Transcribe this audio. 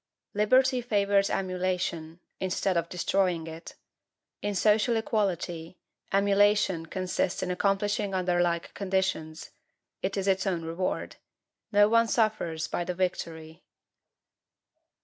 Liberty favors emulation, instead of destroying it. In social equality, emulation consists in accomplishing under like conditions; it is its own reward. No one suffers by the victory.